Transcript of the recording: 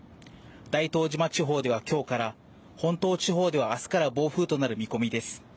大東島地方では今日から本島地方では明日から暴風となる見込みです。